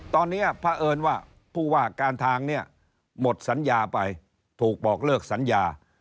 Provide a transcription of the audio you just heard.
ตอนนี้พระเอิญว่าผู้ว่าการทางเนี่ยหมดสัญญาไปถูกบอกเลิกสัญญา